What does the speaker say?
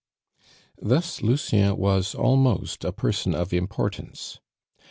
Thus Lucien was almost a person of importance.